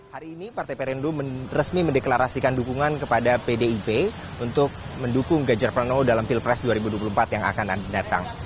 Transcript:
hari ini partai perindo resmi mendeklarasikan dukungan kepada pdip untuk mendukung ganjar pranowo dalam pilpres dua ribu dua puluh empat yang akan datang